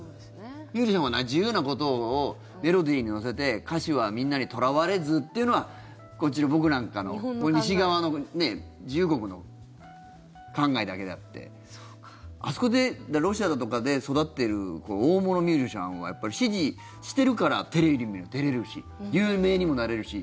ミュージシャンは自由なことをメロディーに乗せて歌詞はみんなにとらわれずっていうのはこっちの僕なんかの西側の自由国の考えだけであってあそこでロシアだとかで育っている大物ミュージシャンはやっぱり支持しているからテレビにも出れるし有名にもなれるし。